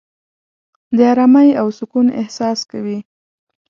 د آرامۍ او سکون احساس کوې.